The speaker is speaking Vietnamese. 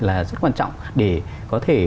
là rất quan trọng để có thể